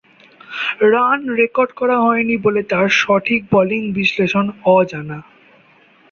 Run record করা হয়নি বলে তাঁর সঠিক বোলিং বিশ্লেষণ অজানা।